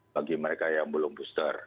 bagi mereka yang belum booster